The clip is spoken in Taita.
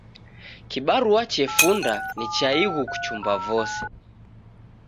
Kibarua chefunda ni cha ighu kuchumba vose.